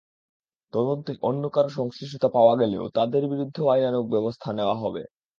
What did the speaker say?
তদন্তে অন্য কারও সংশ্লিষ্টতা পাওয়া গেলে তঁাদের বিরুদ্ধেও আইনানুগ ব্যবস্থা নেওয়া হবে।